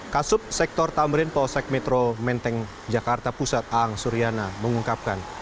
kasup sektor tamrin polsek metro menteng jakarta pusat aang suriana mengungkapkan